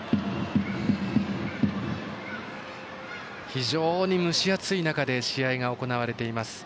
非常に蒸し暑い中で試合が行われています。